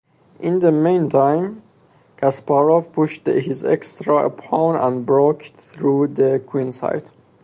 In the meantime, Kasparov pushed his extra a-pawn and broke through on the queenside.